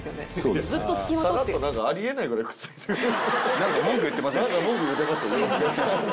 何か文句言ってません？